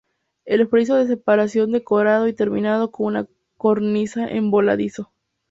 El friso de separación decorado y terminado con una cornisa en voladizo.